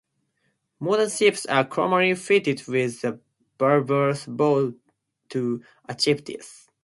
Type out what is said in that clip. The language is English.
Modern ships are commonly fitted with a bulbous bow to achieve this.